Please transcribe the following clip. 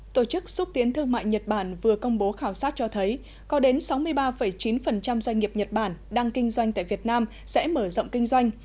tổ chức xúc tiến thương mại nhật bản vừa công bố khảo sát cho thấy có đến sáu mươi ba chín doanh nghiệp nhật bản đang kinh doanh tại việt nam sẽ mở rộng kinh doanh